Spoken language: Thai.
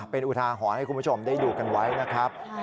เป็นอุทาหรณ์ให้คุณผู้ชมได้ดูกันไว้นะครับ